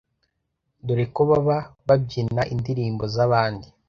dore ko baba babyina indirimbo z’abandi